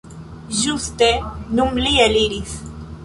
Ĝuste nun li eliris.